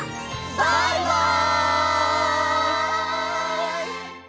バイバイ！